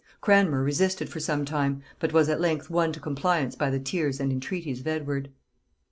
Cranmer resisted for some time, but was at length won to compliance by the tears and entreaties of Edward.